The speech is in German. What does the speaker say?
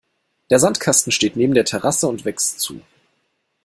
Der Sandkasten steht neben der Terrasse und wächst zu.